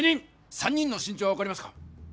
３人の身長は分かりますか？